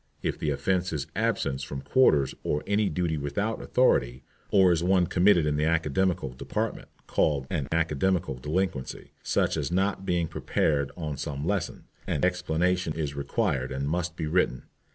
If the offence is absence from quarters or any duty without authority, or is one committed in the Academical Department, called an Academical Delinquency, such as not being prepared on some lesson, an explanation is required and must be written.